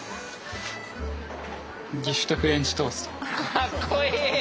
かっこいい！